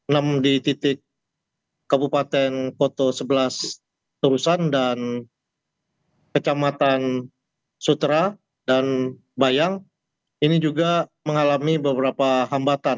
enam di titik kabupaten koto sebelas turusan dan kecamatan sutra dan bayang ini juga mengalami beberapa hambatan